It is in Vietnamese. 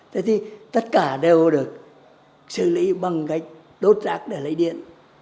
thế thì tất cả đều được xử lý bằng cách đốt rác để lấy điện